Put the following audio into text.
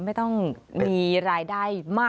ไม่ต้องมีรายได้มาก